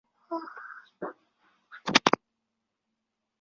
近缘大尾蚤为盘肠蚤科大尾蚤属的动物。